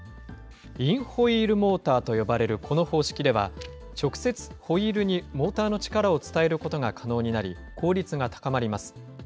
インホイールモーターと呼ばれるこの方式では、直接ホイールにモーターの力を伝えることが可能になり、効率が高まります。